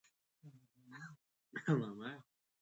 د ساینس او ټکنالوژۍ اصطلاحات پښتو کړئ.